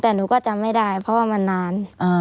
แต่หนูก็จำไม่ได้เพราะว่ามันนาน